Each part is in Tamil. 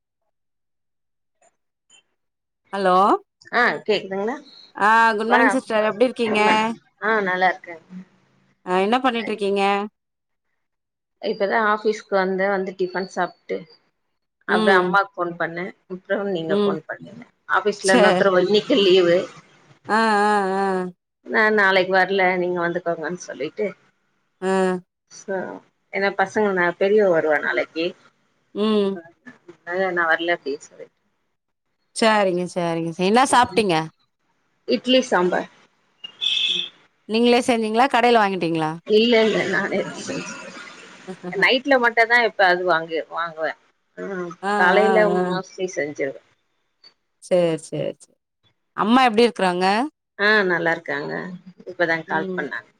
[inaudible] ஹலோ ஆ கேக்குதுங்களா ஆ குட் வா மார்னிங் சிஸ்டர் எப்டி இருக்கீங்க ஆ நல்லாருக்றே அ என்ன பண்ணிட்ருக்கீங்க இப்பதா ஆஃபீஸ்க் வந்தே வந்து டிஃபன் சாப்ட்டு அப்டே ம் அம்மாக் ஃபோன் பண்ணே ப்றோ நீங்க ம் ஃபோன் பண்ணுங்க ஆஃபீஸ்ல சே இன்னொத்தரூ வள்ளிக்கு லீவு ஆ ஆ ஆ ஆ நாளைக்கு வர்ல நீங்க வந்துக்கோங்கன் சொல்லிட்டு ம் ச என்ன பசங்கனா பெரியவ வருவா நாளைக்கி ம் இதுக் முன்னாடே நா வர்ல அப்டி சொல்லிட்டு சரிங்க செரிங்க என்ன சாப்ட்டீங்க இட்லி சாம்பார் நீங்களே செஞ்சீங்களா கடையில வாங்குனி இல்ல இல்ல நானே தா செஞ்ச ஆஹா. நைட்ல மட்டுதா இப்ப அது வாங்க வாங்குவே ம் ஆ ஆ காலையில மோஸ்ட்லி செஞ்சிருவே செர் செர் செரி அம்மா எப்டி இருக்கறாங்க ஆ நல்லா இருக்காங்க இப்பதாங்க கால் ம் பண்ணாங்கா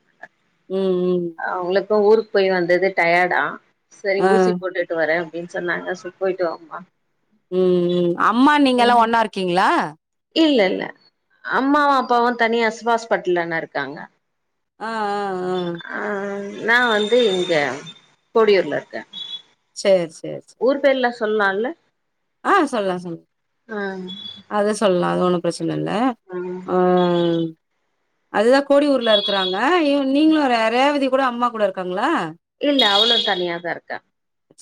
ம் ம் அவுங்களுக் இப்ப ஊருக்கு போய் வந்தது டயர்டா சரி ஆ ஊசி போட்டுட்டு வரே அப்டின் சொன்னாங்க செர் போயிட்டுவாம்மா ம் ம் அம்மா நீங்க எல்லா ஒன்னா இருக்கீங்களா இல்ல இல்ல அம்மாவு அப்பாவு தனியா சிவா ஹாஸ்பட்டல்லன இருக்காங்க ஆ ஆ ஆ நா வந்து இங்கே பொடியூர்ல இருக்கே செரி செ செ சொல்லயில்ல ஆ சொல்லா சொல்ல அது சொல்லலா அது ஒண்ணு ப்ரச் சனா இல்ல ஆ அதுதா கோடி ஊர்ல இருக்கறாங்க இ நீங்களு ரே ரேவதி கூட அம்மா கூட இருக்காங்களா இல்ல அவுளு தனியாதா இருக்கா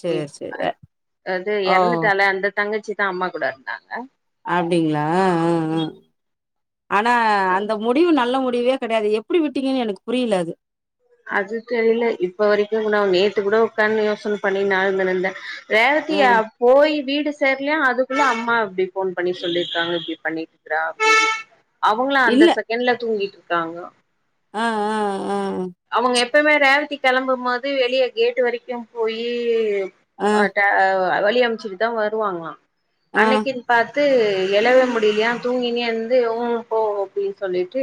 சேர் ம் சேரி அது அது ஓ எறந்துட்டால அந்த தங்கச்சி தா அம்மா கூட இருந்தாங்க அப்டிங்களா ம் ம் ஆனா அந்த முடிவு நல்ல மு டிவே கெடையாது எப்டி விட்டீங்கன்னு எனக்கு புரியல அது அது தெரியில இப்ப வரைக்கு [inaudible] கூட நேத்து கூட உக்காந்து யோசனை பண்ணி நா கெடந்தே ஆ ரேவதியா போய் வீடு சேர்லையா அதுக்குள்ள அம்மா இப்டி ஃபோன் பண்ணி சொல்லிருக்காங்க இப்டி பண்ணிட்டு இருக்கறா அப்பின்னு அவுங்கள அந்த இல்ல செகண்ட்ல தூங்கிட்டு இருக்காங்க ஆ ஆ அ அவுங்க எப்பவுமே ரேவதி கெளம்பு போது வெளிய கேட்டு வரைக்கி போயி ஆ அ ட ஆ வழி அமைச்சுட்டுதா வருவாங்குலா ஆ அன்னைக்கின் பாத் து எழவே முடியிலையா தூங்கினா இருந்து ம் போ அப்டின்னு சொல்லிட்டு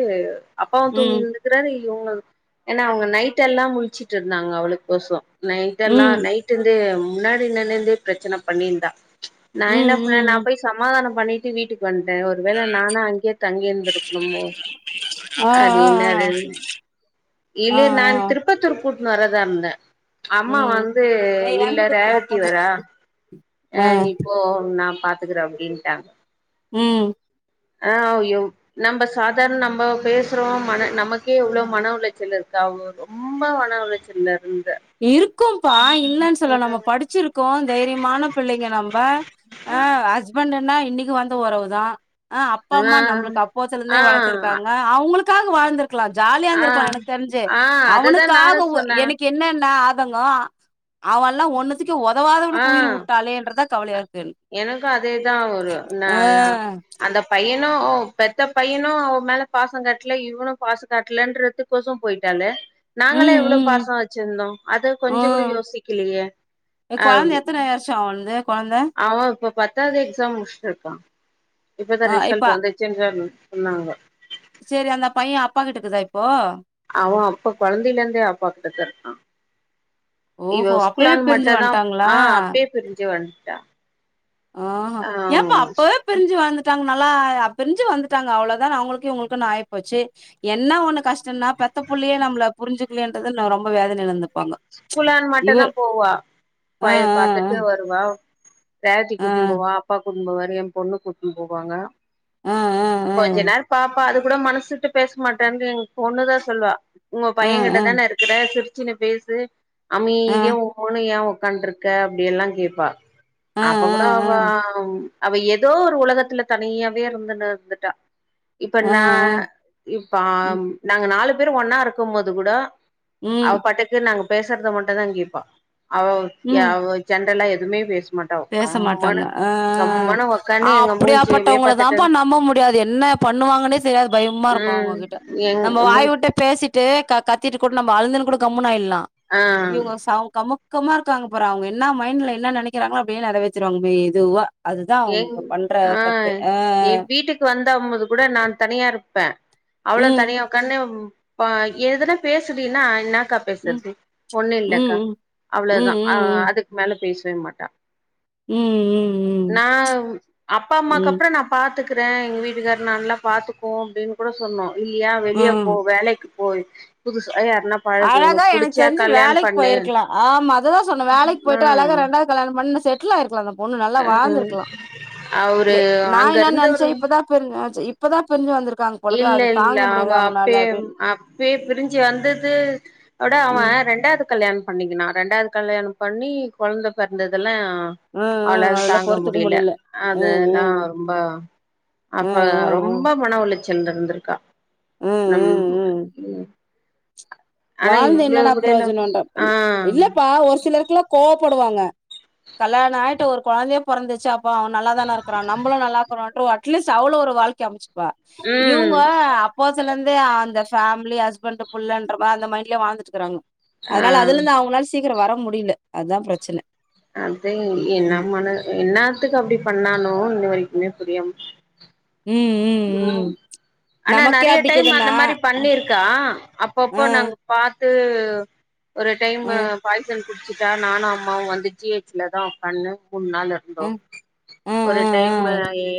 அப்பாவு ம் தூங்கின் இருக்குறாரு இவுங்க ஏன்னா அவுங்க நைட்டெல்லா முழச்சுட்டு இருந்தாங்க அவுளுக்கு கொச நைட்டெல்லா ம் நைட் இருந்து முன்னாடி என்னன்ன இருந்தே ப்ரச்சன பண்ணிருந்தா நா என்ன ம் பண்ணே நா ம் போய் சமாதானோ பண்ணிட்டு வீட்டுக்கு வந்டே ஒரு வேள நானு அங்கியே தங்கி இருந்துருக்கணுமோ ஆ அதே ஆ நடன் ஆ ஆ இல்ல நா ஆ திருப்பத்தூர் கூட்டுன்னு வரதா இருந்தே அம்மா ம் வந்து ஏய் இல்ல ஏங்கிட்ட பேசுடா ரேவத்தி ஃபோனு வரா ஆ நீபோ நா பாத்துக்கறே அப்டின்ட்டாங்க ம் ஆ யோ நம்ம சாதாரண நம்ம பேசுறோ மன நமக்கே இவ்ளோ மன உளைச்சளு இருக்கா அவ ரொம்ப மன உளைச்சல்ல இருந்த இருக்கும்ப்பா இல்லன்னு ஆ சொல்ல நம்ம படிச்சிருக்கோ தைரியமான பிள்ளைங்க நம்ம ஆ ஹஸ்பண்ட் என்னா இன்னைக்கு வந்த ஒறவு தா ம் அப்பா அம்மா நம்மளுக்கு அப்போத்தல இருந்தே ஆ வளத்துருக்காங்க அவுங்களு க்காக வாழ்ந்திருக்கலா ஆ ஜாலியாந்த இருக்கலா எனக்கு தெரிஞ்சு ஆ அததா நானு அவுனுக்காக சொன்னே எனக்கு என்னன னா ஆதங்கோ அவன்ல்லா ஒன்னுத்துக்கு ஆ ஒதவாதவனுக்கு உயிர் விட்டாளேன்றதா கவலையா இருக் எனக்கு அதேதா ஒரு ந ஆ அந்த பையன் னு ஒ அவ பெத்த பையனு அவ மேல பாசோ கட்டல இவனு பாசோ காட்டலன்றது கோசர போயிட்டாளே நாங்களே ம் எவ்ளோ ம் பாசோ வச்சிருந்தோ அத கொஞ்சோ கூட ம் யோசிக்கலையே எ கொழந்த எத்தன வர்ஷா அவன்ந்து ஆமா இப்ப பத்தாவது எக்ஸா முடிச்சட்டு இருக்கா இப்பதா ஆ ரிசல்ட் வந்துச்சின் சொ ன்னாங்க சரி அந்த பைய அப்பா கிட்டக்குதா இப்போ அவன் அப்ப குழந்தையில இருந்தே அப்பா கிட்டதா இருக்கா இவ ஓஹோ அப்பவே ஸ்கூலான் பிரிஞ்சு மட்ட்தான் ஆ வந்ட்டாங்களா அப்பே பிரிஞ்சு வந்ட்டா ஆஹ்ஹ ஏன்ப்ப அப்பவே பிரிஞ்சு வாழ்ந்துட்டாங் நல்லா அரிஞ்சு வந்துட்டாங்க அவ்வளவுதான் அவளுக்கு உங்களுக்குாயச்சு என்ன ஒண்ணு கஷ்டம்னா பெத்த ள்ளையே நம்ம புரிஞ்சுக்கலேன்றது ந ரொம்ப வேத நழந்த ஸ்கூலான் மட்டம்தான் போவா ஆ பய பார்த்துட்டு வருவா தாத்தி ஆ ஆ கூட்டட்டு போவா அப்பா கூட்டும்ப போவாரு என் பொண்ணு கூட்டிட்டு போவாங்க ஆ ஆ கொஞ்ச நேரம் பாப்பா அது கூட மனசுட்டு பேச மாட்டேு எங்க பொண்ணு தான் சொல்லுவா உங்க ஆ ஆ ஆ பைய கிட்ட தானே இருக்கிற ச சின்ன பேசு அமை ஆ இதன் உ ஒன்னு ஏன் உ்காண்டருக்க அப்படிய எல்லாம் கேட்பா ஆ ஆ அப்ப கூட அவ அவ ஏதோ ஒரு உலகத்துல தனியாவே இருந்துன்னு இருந்துட்டா இப்ப ஆ ஆ நான் இப்ப ம் நாங்க நாலு பேரும் ஒன்னா இருக்கும் போது கூட அவ ம் பாட்டுக்கு நாங்க பேசுறத மட்டும்தான் கேப்பா ம் ஜெனரல்லா எதுவுமே பேச மாட்டா பேச மாட்டாங்க கம்முனு அ கம்முனு அ உக்காந்து எங்க மூஞ்சியவே அப்படியாப்பட்டவங்கள பாத்துட்டு தான்ப்ப நம்ப முடியாது என்ன பண்ணுவாங்கன்னே சரியா பயமா இருக்கு ம் அவங்ககிட்ட எங் நம்ம வாய் மூஞ் விட்ட பேசிட்டு கத்திட்டு கூட நம்ம ஆழுந்தன்னு கூட கம்முனம் ஆயிடலா ஆ இவங்க அவங்க கமுக் க்கமா இருக்காங்க பாற அவங்க என்ன மைண்ட்ல என்னினைக்கிறாங்களோ அப்படின்னு நிறவேத்திருவாங்கோ மெதுவா அதுதா என் அவங்க பண்ற ஒரு ஆ தப்பே அ என் வீட்டுக்கு வந்தால போது கூட நா தனியா இருப்பே அவ்ளு ம் தனியா உக்கான்னு எதுனா பேசுடினா என்ன க்கா ம் பேசுறது ஒண்ணு இல்லக்கா ம் ம் அவ்வளவுதான் ம் அதுக்கு மேல பேசவே மாட்டா ம் ம் நா அப்பா அம்மாக்கு ம் ம் அப்புற நா பா பாத்துக்கறே எங்க வீட்டுக்கார நா நல்லா பாத்துக்கோம் அப்படின்னு கூட சொன்னோம் இல்லையா வெளியே ம் போ வேலைக்கு போய் புதுசு அழகா எனக்கு தெரிஞ்சு வேலைக்கு பண்ணு போயிருக்கலா ஆமா அதுதா சொன்னே வேலைக்கு ஆ போயிட்டு அழகா ரெண்டா கல்ம்ண்ண செட்ல் ஆயிருக் ஒண்ணு நல்லா ஆ வாழ்ந்திருக்கலா அவரு நா அங்க என்ன நினைச்சே இருந்தவரு இப்பதா பெருங்க இப்பதான் புரிஞ்சு வந்ருக்கு இல்ல இல்ல அவ அப்பய அப்டின்னு அப்பய பிரிஞ்சு வந்தது அட அவன் ம் ரெண்டாவது கல்யாணம் பண்ணிக்கினா ரெண்டாவது கல்யாணம் பண்ணி குழந்தை பிறந்ததுெல்லா ம் ம் அவ்ளலா அதெல்லா தாங்க பொறுத்துக்க முடியல ம் அததா ம் ரொம்ப ம் அப்ப ம் ரொம்ப ம் மன உளைச்சல் இருந்திருக்கா ம் நம் ம் ம் ஆனா வாழ்ந்து என்ன இவ்ளோ டா கூடயெல்லா ஆ ப்ரோஜனம்ன்ற இல்லப்பா ஒரு சிலருக்குல்லா கோப் படுவாங்க கல்யாண ஆயிட்டு ஒரு குழந்தைய பொறந்துச்சு அப்ப அவ நல்ல தான இருக்ரா நமளும் நல்லாக்கிற அ்ட்லீஸ்ட் அவளு ஒரு வாழ்கை அமைச்சு ப்ப இவங்க ம் அப்போசல இருந்தே அந்த ஃபேமிலி ஹஸ்பண்ட் புள்ளன்ற அந்த மைண்ட்லயே வாழ்ந்துட்டு இருக்கறாங்க ஆ அதனால அதுல இருந்து அவங்களால சீக்கிரம் வர முடியல அதுதான் பிரச்சனை அது என்ன மன என்ன த்துக்கு அப்படி பண்ணானும் இ இந்த வரைக்குமே புரியாம ம் ம் ஆனா நமக்கே நறைய டைம் அப்டிக்குதுன்னா அந்த மாரி பண்ணிருக்கா அப்பப்போ ஆ நாங்க பா துஒரு டைம் ஆ பாய்சன் குடிச்சட்டா நானு அம்மாவு வந்து ஜிஹெச்ல தா உக்கான்னு மூணு நாள் இருந்தோ ஆ ஆ ஒரு ஆ ஆ டைம்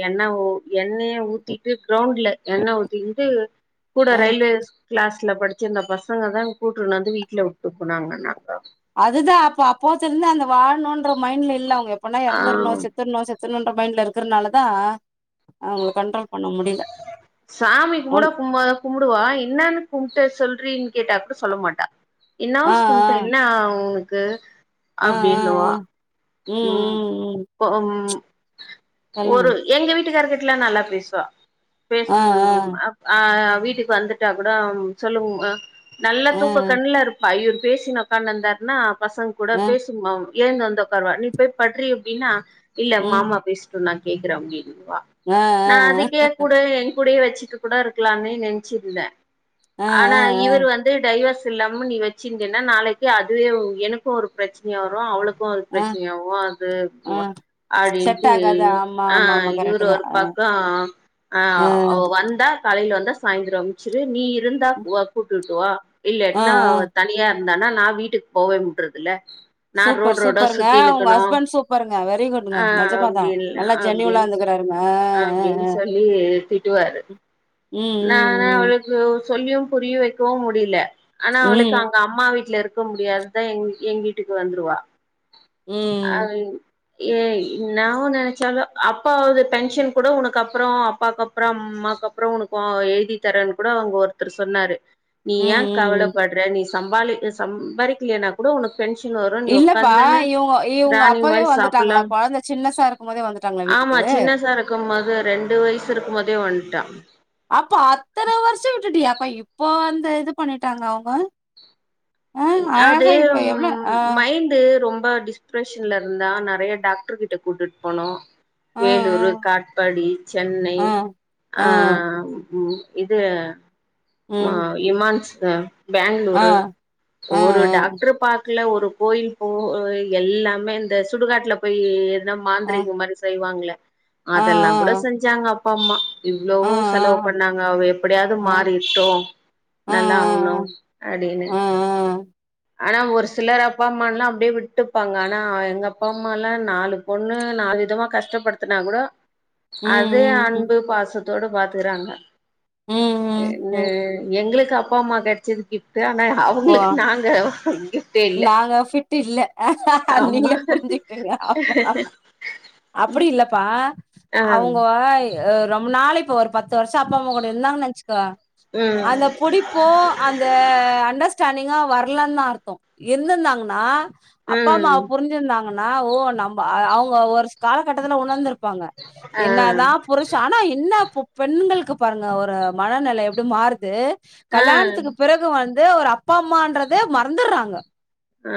என்ன எண்ணெய ஊத் தி கிரவுண்ட்ல எண்ணெ ஊத்திந்ட்டு கூட ஆ ரயில்வே கிளாஸ் ல படிச்சிருந்த பசங்க தா கூட்டுன்னு வந்து வீட்ல உட்டுப்போனாங்கன்னாங்க அதுதா அப்ப அப்போத்த இருந்து அந்த வாழணுன்ற மைண்ட்ல இல்ல அவங்க எப்பனா ஆ எறந்துறணு செத்துறணு செத் தன்ற மைண்ட்ல இருக்கிறதுனால தா சாமி கும்பட ஒன் கும்ப கும்முடுவா இன்னன்னு கும்ட்டு சொல்டிறின்னு கேட்டா கூட சொல்ல மாட்டா ஆ இன்னாஸ் கும்ட்டே என்ன உன்க்கு ஆ ஆ ஆ அப்டின்னுவா ஆ ம் உம் ம் ம் பொம் சொல்லுங்க ஒரு எங்க வீட்டுகாரகிட்டல்லா நல்லா பேசுவா ஆ ஆ பேசுனும் அப் ஆ வீட்டுக்கு வந்துட்டா கூட சொல்மும்ஹ நல்லா ஆ தூக்க கண்ணல இருப்பா ஐயோ பேசி நோக்காந்தாருன்னா பசங்க கூட ஆ பேசிமம் எழுந்து வந்துதோக்கார்வா நீ போய் பட்றி அப்டின்னா இல்ல ம் மாமா பேசுட்டு நா கேக்குறே அப்டின்னுங்வா ஆ நா ஆ அதுக்கே கூடு கூடயே வச்சுட்டு கூட இருக்கலாமேனு நெனச்சியிருந்த ஆ ஆ ஆனா இவுரு வந்து டைவர்ஸ் இல்லாம நீ வச்சிருந்தேனா நாளைக்கு அதுவே எனக்கொ ஒரு பிரச்சனையா வரு அவளுக்கு க்கு அது ஆ ஆ பிரச்சனை ஆவது ஆ செட் அதுடின்ட்டு ஆகாது ஆமா ஆ ஆமா ஆமா கரெக்ட் இவுரு தான் ஆ பத்தா ஆ ஹ அவ வந்தா கலையில வந்சு சாய்ந்திரம் முட்ச்சுரு நீ இருந்தா வா கூட்டுட்டுவா ஆ இல்லட்னா ஆ தனியா இருந்தான்னா நா வீட்டுக்கு போவே முன்டிறது இல்ல சூப்பர் சூப்பருங்க ஒங்க ஹஸ்பண்ட் சூப்பருங்க வெரிகுட்ங்க ஆ நெஜமாதா அப்டின்ல நல்லா ஜென்யுலா அப்டின்னு டந்துக்கறாருங்க அப்டின்னு சொல்லி திட்டுவாரு ம் நானா ம் அவ்ளுக்கு சொல்லியு புரிய வைக்கவு முடியுல்ல ஆனா ம் அவளுக்கு ம் அவுங்க அம்மா வீட்டுல இருக் இருக்க முடியாதுதா எங் எங்கீட்டுக்கு வந்துருவா ம். அது ஏய் நாவ்வ நெனைச்சாத அப்பாவது பென்ஷன் கூட உனக்கு அப்புறோ அப்பாக்கு அப்புறோம் ஆக்க அப்புறோ ஒனக்கொ எழுதித்தரேன்னு கொட அங்க ஒருத்தர் சொன்னாரு நீ ம், ஏன் ம். கவலப்பட்ற நீ சம்பாளிக்க சம்பாரிக்கலயினா கூட உனக்கு பென்ஷன் வரும் நீ இல்லப்பா உட்க்காந்துன்னு இவுங்க இவுங்க ராணி அப்பவே மாரி சாப்பலா வந்துட்டாங்களா? கொழந்த சின்னசா இருக்கும்போதே வந்துட்டாங்களா ஆ ஆமா வீட்டுக்கு? சின்னதா ருக்கும்போது ரெண்டு வயசு இருக்கும் போதே வந்ட்டா அப்ப அத்தன வர்ஷோ விட்டு யாப்ப இப்போ அந்த இது பண்ணிட்டாங்க அவுங்க அ அழகா இப்ப அதெம் எவ்ளோ ஆ, மைண்டு ரொம் மா டிஸ்ப்ரெஷன்ல இருந்தா நெறைய டாக்டுருகிட்ட கூட்டுட்டு போனோ ஆ, வேலூரு காட்ஃபாடி சென்னை ஆ, ஆ, ஆ உ இது ம், இமான்ஸ் ஆ, பேங்களூரு ஆ, ஆ, ஒரு டாக்டுரு பாக் ல்ல ஒரு கோயிலு போ எல்லாமே இந்த சுடுகாட்டுல போய் ஆ, மாந்திரிகமரி செய்வாங்களே ஆ, அதெல்லா கூட செஞ்சாங்க அப்பா அம்மா ஆ, ஆ, இவ்வளவோ செலவு பண்ணாங்க அவ எப்டியாது ஆ, ஆ, மாறிட்டோ ஆ, ஆ, நல்லா ஆவுணு அடின்னு ஆ, ஆ, ஆனா ஒரு சிலர் அப்பா அம்மல்லா அப்டியே விட்டுப்பாங்க ஆனா எங்க அப்பா அம்மால்லா நாலு பொண்ணு நாலு விதவிதமா கஷ்டப்படுத்தனா கூட ம், அதே ம், அன்பு பாசத்தோடு பாத்துக்கறாங்க ம், ம், ம், ம். எங்களுக்கு அப்பா அம்மா கெடைச்சது கிஃப்ட்டு ஆனா ஓ! அவ்ங்களுக்கு நாங்க ஒன்னு கிஃப்டு இல்ல நாங்க ஃபிட் இல்ல. ஆமா நீங்களே உ அப்படி இல்லப்பா அவுங்கஒய் ரொம்ப நாளைக்கு ஒரு பத் அடுத்த வருஷோ அப்பா அம்மா கூட இருந்தாங்கொனு நெனச்சுக்கோ ம் அந்த பிடிப்போ அந்த அண்டர்ஸா ண்டிகா வரல தான் அர்த்தோ இருந்தாங்கன்னா அப்பா அம்மாவ ம் புரிஞ்சிருந்தாங் னா ஓ நம்ப அவ்ங்க ஒர்ஸ் காலகட்டத்துல உணர்ந்துருப் பாங்க ஆ என்னதா புருஷ ஆனா என்ன பெண்களுக்கு பாருங்க ஒரு மனநிலை எப்டி மாறுது ஆ ஆ கல்யாணத்துக்கு பிறகு வந்து ஒரு அப் பா மான்றதே மறந்துறாங்க ஆ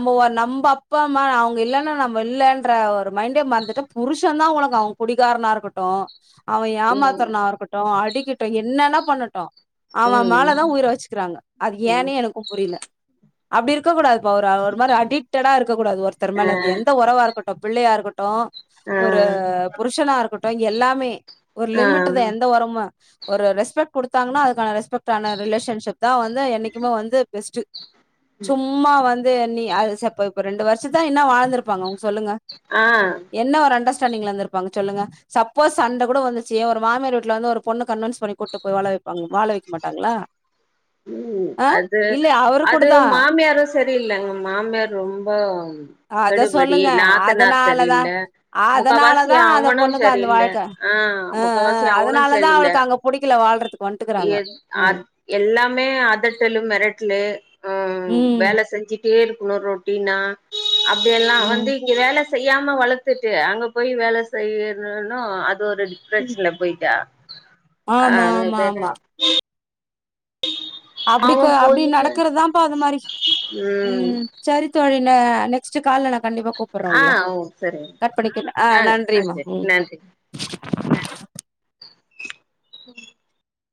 நம்மொ நம்ம அப்பா அம்மா அவுங்க இல்லைன்னா நம்ம இல்லன்ற ஒரு மைண்டே மந்துட்டு புருஷதா உலகொ குடிகாரனா இருக்கட்டு அவன் ம் ம் ஏமாத்தர நா இருக்கட்டு அடிக்கட்டு என்னன்னா பண்ணட்டு அவ மேலதா உயிரை வச்சு அது ம் ஏனே எனக்கு புரியல அப்டி இருக்க கூடாது இப்ப ஒரு ஒரு மாரி அடிக்டடா இருக்க கூடாது ஒருத்தர் ஆ மேல அது எந்த உறவா இருக்கட்டு பிள்ளையா இருக்கட்டு ஆ ஒரு ஆ புருஷனா இருக்கட்டு எல்லாமே ஒரு லிமிட் தே எந்த உறமு ஒரு ரெஸ்பெக்ட் குடுத்தாங்னா அதுக்கான ரெஸ்பெக்ட் ஆன ரிலேஷன்ஷிப் தான் வந்து என்னைக்குமே வந்து பெஸ்ட் சும்மா வந்து நீ அது சப் இப்ப ரெண்டு வருஷந்தா இன்னு வாழ்ந்திருப்பாங்கவுங் சொல்லுங்க ஆ என்ன வர அண்டர்ஸ்டாண்டிங்ல இருந்ருப்பாங்க சொல்லுங்க சப்போஸ் சண்ட கூட வந்துச்சு ஏ ஒரு மாமியார் வீட்ல வந்து ஒரு பொண்ண கன்வின்ஸ் பண்ணி கூட்டு போ வாழ வெப்பாங்க வாழ வெக்க மாட்டாங்ளா ம் அது அது கூடதா மாமியாரு சரியில்லங்க மாமியார் ரொம்ப அத கெடுபடி சொல்லுங்க நாத்தனார் அதனாலதா சரியில்ல முக்காவாசி அதனாலதா அந்த அவனு பொண்ணுக்கு அந்த சரியில்ல வாழ்க்க ஆ ஆ முக்காவாசி அவனு அதனாலதா சரியில்ல அவளுக்கு அங்க புடிக்கல வாழ்றதுக்கு வந்ட்டுக்கறாங்க எ ஆ அ எல்லாமே அதட்டலு மெரட்லு ம் வேல செஞ்சு டே இருக்கணு ரொட்டினா அப்டியெல்லா ம் வந்து இங்க வேல செய்யாம வளத்துட்டு அங்க போய் வேல செய்யணுன்னு அது ஒரு டிப்ரெஷன்ல போய்ட்டா ஆமா ஆமா ஆமா அப்டி க அவன் அப்டி போயிட்டு நடக்கறதாம்ப்பா அது மாரி ம் சரித்தோழி ந நெக்ஸ்ட் கால்ல கண்டிப்பா கூப்படற ஆ உங்கள ஓ சரிங்க கட் பண்ணிக்கங்க ஆ ஆ நன்றிமா சரி ம் அ ம்